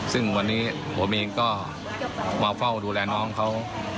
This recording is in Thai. ซึ่งวันนี้ผมเองก็มาเฝ้าดูแลน้องเขา